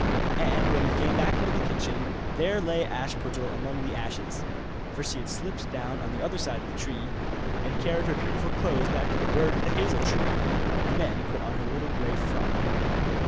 And when they came back into the kitchen, there lay Ashputtel among the ashes; for she had slipped down on the other side of the tree, and carried her beautiful clothes back to the bird at the hazel tree, and then put on her little grey frock.